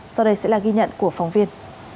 sau đây sẽ là ghi nhận của phóng viên